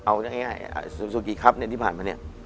เอาอย่างง่ายซูซูกิครับที่ผ่านมา